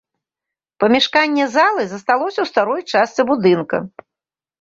Памяшканне залы засталося ў старой частцы будынка.